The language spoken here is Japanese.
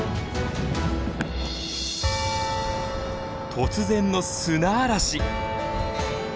突然の砂嵐！